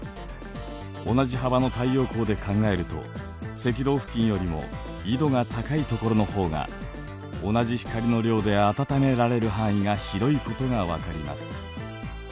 同じ幅の太陽光で考えると赤道付近よりも緯度が高い所の方が同じ光の量で暖められる範囲が広いことが分かります。